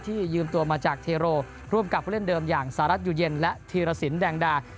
ยืมตัวมาจากเทโรร่วมกับผู้เล่นเดิมอย่างสหรัฐอยู่เย็นและธีรสินแดงดา